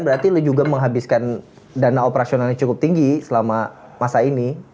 berarti lo juga menghabiskan dana operasionalnya cukup tinggi selama masa ini